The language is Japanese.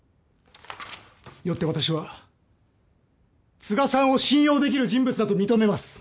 よって私は都賀さんを信用できる人物だと認めます。